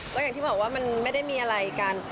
ก็อย่างที่บอกว่ามันไม่ได้มีอะไรกัน